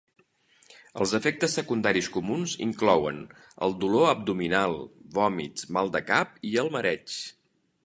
Els efectes secundaris comuns inclouen el dolor abdominal, vòmits, mal de cap i el mareig.